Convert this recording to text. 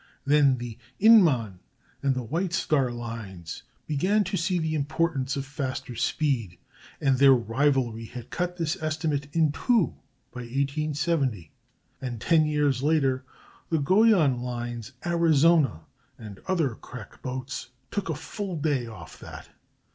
Then the Inman and White Star lines began to see the importance of faster speed, and their rivalry had cut this estimate in two by 1870, and ten years later the Guion Line's Arizona and other crack boats took a full day off that.